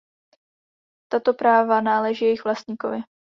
Tato práva náleží jejich vlastníkovi.